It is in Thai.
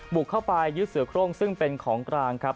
บุกเข้าไปยึดเสือโครงซึ่งเป็นของกลางครับ